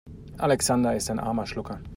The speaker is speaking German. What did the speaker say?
Alexander ist ein armer Schlucker.